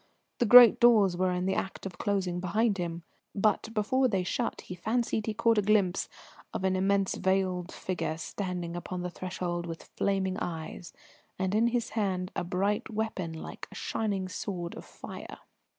The great doors were in the act of closing behind him, but before they shut he fancied he caught a glimpse of an immense veiled figure standing upon the threshold, with flaming eyes, and in his hand a bright weapon like a shining sword of fire.